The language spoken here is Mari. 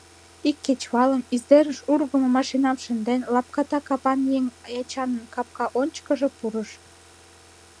Ик кечывалым, издерыш ургымо машинам шынден, лапката капан еҥ Эчанын капка ончыкыжо пурыш.